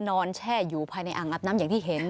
แช่อยู่ภายในอ่างอาบน้ำอย่างที่เห็น